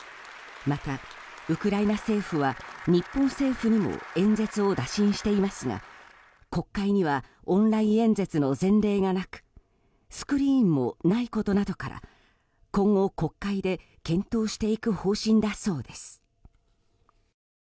また、ウクライナ政府は日本政府にも演説を打診していますが国会にはオンライン演説の前例がなくスクリーンもないことなどから今後、国会で検討していく方針だそうです。